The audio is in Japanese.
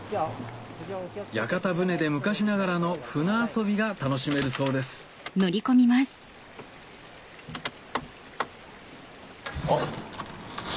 屋形船で昔ながらの舟遊びが楽しめるそうですあっ。